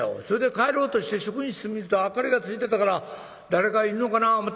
「それで帰ろうとして職員室見ると明かりがついてたから誰かいるのかなあ